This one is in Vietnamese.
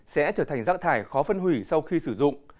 sẽ trở thành rác thải khó phân hủy sau khi sử dụng